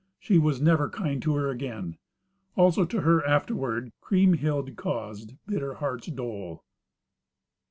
She was never kind to her again. Also to her, afterward, Kriemhild caused bitter heart's dole.